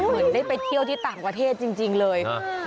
เหมือนได้ไปเที่ยวที่ต่างประเทศจริงเลย